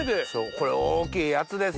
これ大きいやつですね。